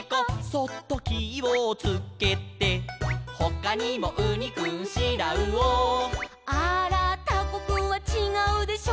「そっときをつけて」「ほかにもウニくんシラウオ」「あーらータコくんはちがうでしょ」